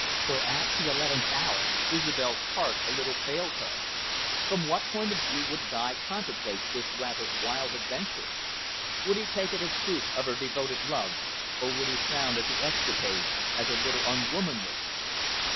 For at the eleventh hour Isobel's heart a little failed her. From what point of view would Guy contemplate this rather wild adventure? Would he take it as a proof of her devoted love, or would he frown at the escapade, as a little unwomanly?